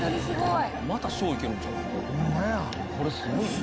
すごい！」